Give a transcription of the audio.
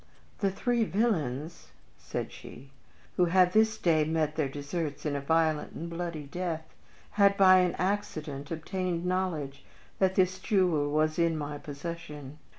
"The three villains," said she, "who have this day met their deserts in a violent and bloody death, had by an accident obtained knowledge that this jewel was in my possession.